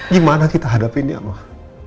gimana kita hadapinnya mak